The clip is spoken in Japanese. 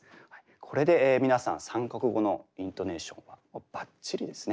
これで皆さん３か国語のイントネーションはもうばっちりですね。